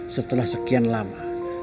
setelah sekian lama